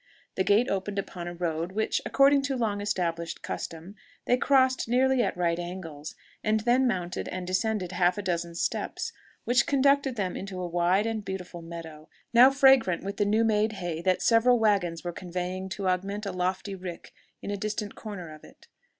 The gate opened upon a road, which, according to long established custom, they crossed nearly at right angles, and then mounted and descended half a dozen steps, which conducted them into a wide and beautiful meadow, now fragrant with the new made hay that several waggons were conveying to augment a lofty rick in a distant corner of it.